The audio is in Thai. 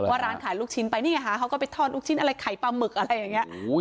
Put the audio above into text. ว่าร้านขายลูกชิ้นไปนี่ไงฮะเขาก็ไปทอดลูกชิ้นอะไรไข่ปลาหมึกอะไรอย่างนี้